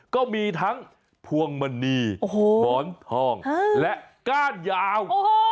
ก็มีทั้งพวงมณีหมอนทองและก้านยาว